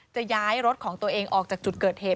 จะย้ายรถของตัวเองออกจากจุดเกิดเหตุ